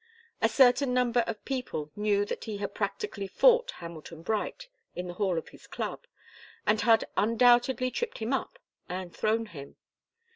A certain number of people knew that he had practically fought Hamilton Bright in the hall of his club, and had undoubtedly tripped him up and thrown him.